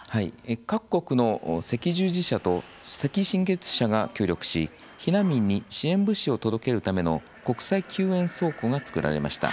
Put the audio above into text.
各国の赤十字社と赤新月社が協力し避難民に支援物資を届けるための国際救援倉庫が作られました。